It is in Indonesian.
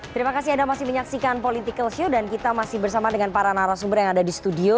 terima kasih anda masih menyaksikan political show dan kita masih bersama dengan para narasumber yang ada di studio